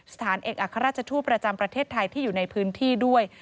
สถานเอกอัครราชทูตประจำประเทศไทยที่อยู่ในพื้นที่ด้วย